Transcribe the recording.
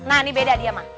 nah ini beda dia mak